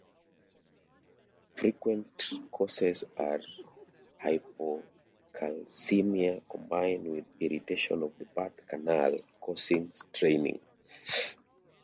Frequent causes are hypocalcemia combined with irritation of the birth canal, causing straining.